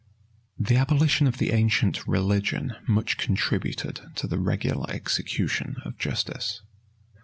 The abolition of the ancient religion much contributed to the regular execution of justice.